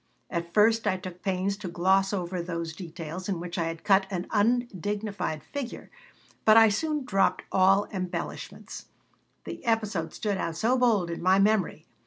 At first I took pains to gloss over those details in which I had cut an undignified figure, but I soon dropped all embellishments. The episode stood out so bold in my memory.